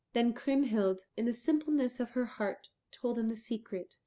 Then Kriemhild, in the simpleness of her heart, told him the secret.